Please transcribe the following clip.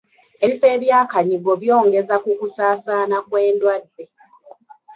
Ebifo eby'akanyigo byongeza ku kusaasaana kw'endwadde.